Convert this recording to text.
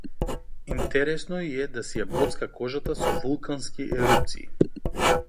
Интересно и е да си ја боцка кожата со вулкански ерупции.